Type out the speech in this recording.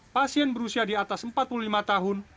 pasien berusia di atas empat puluh lima tahun